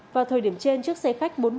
vào thời điểm trên trước xe khách